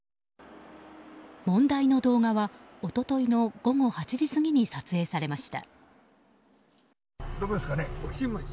問題の動画は一昨日の午後８時過ぎに撮影されました。